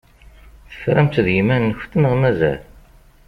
Teframt-tt d yiman-nkent neɣ mazal?